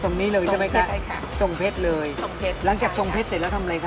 ส่งนี้เลยใช่ไหมคะส่งเพชรเลยหลังจากส่งเพชรเสร็จแล้วทำอะไรคะ